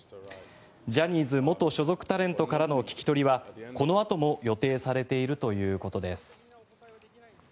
ジャニーズ元所属タレントからの聞き取りはこのあとも予定されているということです。